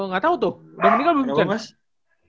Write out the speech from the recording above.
gatau tuh udah meninggal belum bisa